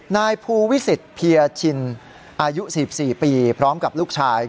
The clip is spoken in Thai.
นายภูวิสิตเพียชินอายุ๔๔ปีพร้อมกับลูกชาย